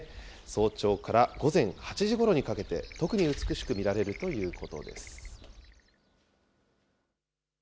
早朝から午前８時ごろにかけて、特に美しく見られるということです。